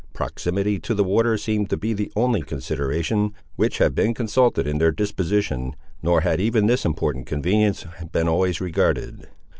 Proximity to the water seemed to be the only consideration which had been consulted in their disposition, nor had even this important convenience been always regarded.